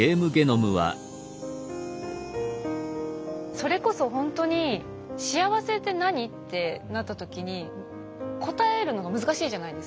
それこそほんとに「幸せって何？」ってなった時に答えるのが難しいじゃないですか。